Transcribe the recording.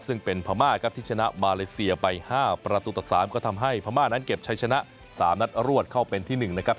ซึ่งเป็นพม่าครับที่ชนะมาเลเซียไป๕ประตูต่อ๓ก็ทำให้พม่านั้นเก็บใช้ชนะ๓นัดรวดเข้าเป็นที่๑นะครับ